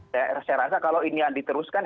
saya rasa kalau ini yang diteruskan